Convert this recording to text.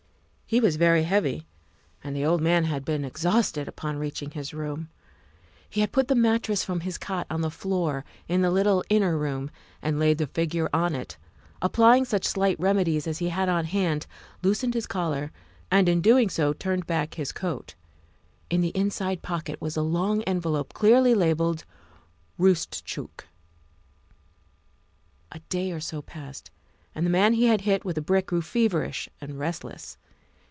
He was very heavy, and the old man had been exhausted upon reaching his room. He had put the mattress from his cot on the floor in the little inner room and laid the figure on it, applying such slight remedies as he had on hand, loosened his collar, and in doing so turned back his coat. In the inside pocket was a long envelope clearly labelled " Roostchook." A day or so passed, and the man he had hit with a brick grew feverish and restless.